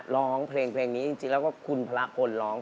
ร้องเพลงเพลงนี้จริงแล้วก็คุณพระพลร้อง